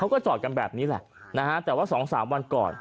ต่างก็จะเข้าไปเนื่องจากนี้แล้วนะฮะแต่ว่าสองสามวันก่อน